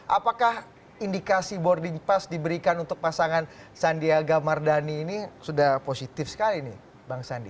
apakah indikasi boarding pass diberikan untuk pasangan sandiaga mardani ini sudah positif sekali nih bang sandi